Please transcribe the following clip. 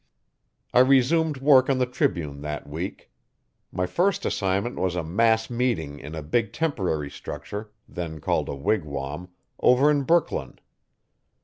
I resumed work on the Tribune that week. My first assignment was a mass meeting in a big temporary structure then called a wigwam over in Brooklyn.